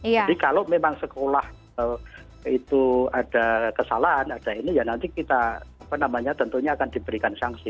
jadi kalau memang sekolah itu ada kesalahan nanti kita tentunya akan diberikan sanksi